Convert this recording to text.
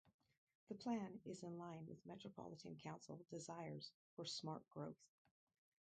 The plan is in line with Metropolitan Council desires for "smart growth".